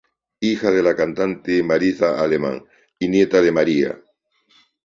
Hija de la cantante Marissa Alemán y nieta de María.